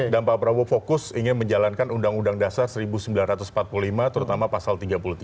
dan pak prabowo fokus ingin menjalankan undang undang dasar seribu sembilan ratus empat puluh lima terutama pasal tiga puluh tiga